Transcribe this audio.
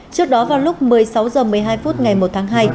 trước đó vào lúc một mươi sáu h một mươi hai phút ngày một tháng hai